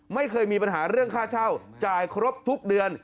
ไม่เคยมีปัญหาเรื่องค่าเช่าจ่ายครบทุกเดือน